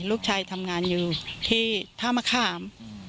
ลูกชายทำงานอยู่ที่ท่ามะขาม